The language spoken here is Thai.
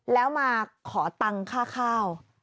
แล้วมาขอตังค่าข้าว